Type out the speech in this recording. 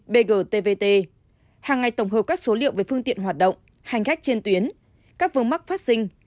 bgtvt hàng ngày tổng hợp các số liệu về phương tiện hoạt động hành khách trên tuyến các vương mắc phát sinh